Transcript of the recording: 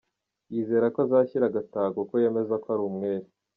Yizera ko azashyira agataha, kuko yemeza ko ari umwere.